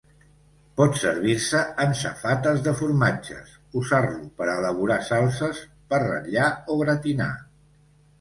Pot servir-se en safates de formatges, usar-lo per a elaborar salses, per ratllar o gratinar.